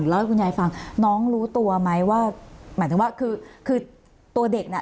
เล่าให้คุณยายฟังน้องรู้ตัวไหมว่าหมายถึงว่าคือคือตัวเด็กน่ะ